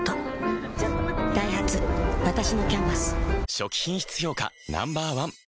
初期品質評価Ｎｏ．１